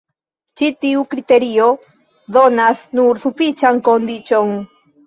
Ĉi tiu kriterio donas nur sufiĉan kondiĉon.